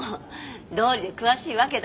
どうりで詳しいわけだ。